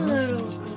これ。